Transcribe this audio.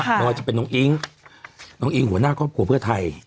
เนาะจะเป็นน้องอิงน้องอิงหัวหน้าก็ปั่วเพื่อไทย